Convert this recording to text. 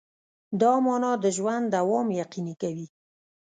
دا مانا د ژوند دوام یقیني کوي.